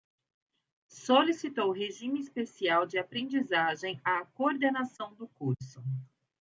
Solicitou regime especial de aprendizagem à coordenação do curso